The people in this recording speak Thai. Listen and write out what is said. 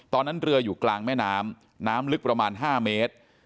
เรืออยู่กลางแม่น้ำน้ำลึกประมาณ๕เมตร